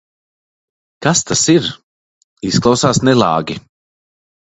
Kas tas ir? Izklausās nelāgi.